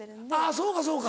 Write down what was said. そうかそうか。